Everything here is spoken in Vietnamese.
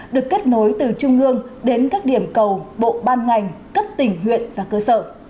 được kết nối từ trung ương đến các điểm cầu bộ ban ngành cấp tỉnh huyện và cơ sở